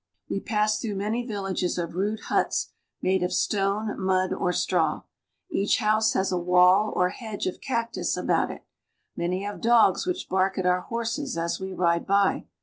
We pass through many villages of rude huts made of stone, mud, or straw. Each house has a wall or hedge of cactus about it ; many have dogs which bark at our horses 'as we ride by.